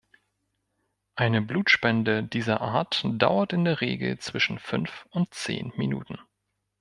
Eine Blutspende dieser Art dauert in der Regel zwischen fünf und zehn Minuten.